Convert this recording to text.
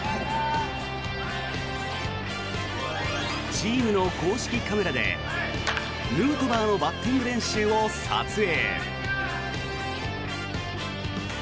チームの公式カメラでヌートバーのバッティング練習を撮影。